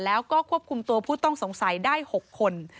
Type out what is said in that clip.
แล้วก็ควบคุมตัวผู้ต้องสงสัยได้๖คน